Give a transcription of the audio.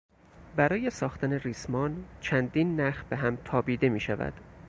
برای ساختن ریسمان چندین نخ بهم تابیده میشود.